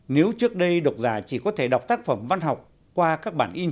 nếu trước đây độc giả chỉ có thể đọc tác phẩm văn học qua các bản in